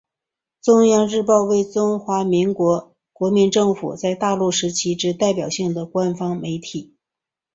中央日报为中华民国国民政府在大陆时期之代表性的官方媒体。